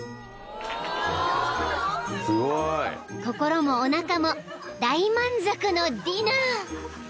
［心もおなかも大満足のディナー］